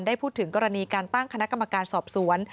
พูดถึงกรณีการตั้งคณะกรรมการสอบสวน